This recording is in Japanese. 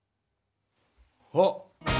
あっ！